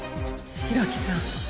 白木さん。